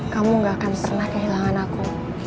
kamu gak akan pernah kehilangan aku